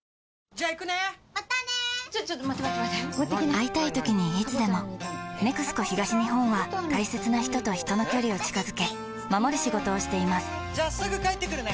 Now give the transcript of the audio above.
会いたいときにいつでも「ＮＥＸＣＯ東日本」は大切な人と人の距離を近づけ守る仕事をしていますじゃあすぐ帰ってくるね！